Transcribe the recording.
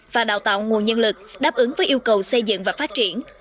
và đào tạo nguồn nhân lực đáp ứng với yêu cầu xây dựng và phát triển